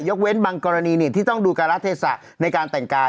ยกเว้นบางกรณีนี่ที่ต้องดูกราศเทศะในการแต่งกา